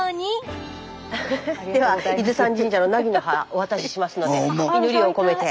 では伊豆山神社のナギの葉お渡ししますので祈りを込めて。